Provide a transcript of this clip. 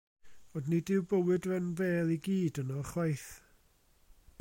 Ond nid yw bywyd yn fêl i gyd yno ychwaith.